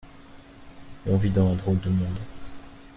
On vit dans un drôle de monde.